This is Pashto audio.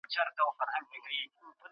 زما په مرګ دي